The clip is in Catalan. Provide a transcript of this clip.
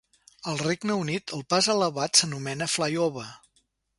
Al Regne Unit, el pas elevat s'anomena "flyover".